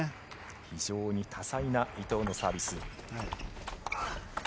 非常に多彩な伊藤のサービス。